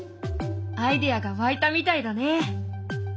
アイデアが湧いたみたいだね。